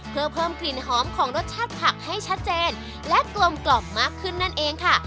เพื่อเพิ่มกลิ่นหอมของรสชาติผักให้ชัดเจนและกลมกล่อมมากขึ้นนั่นเองค่ะ